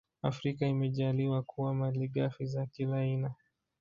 Afrika imejaaliwa kuwa malighafi za kila aina